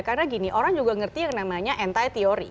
karena gini orang juga ngerti yang namanya anti teori